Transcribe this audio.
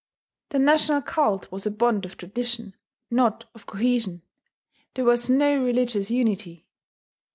The national cult was a bond of tradition, not of cohesion: there was no religious unity.